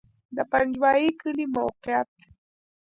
د پنجوایي کلی موقعیت